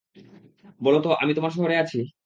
বলো তো, আমি তোমার শহরে আছি।